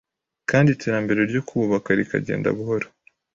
kandi iterambere ryo kuwubaka rikagenda buhoro.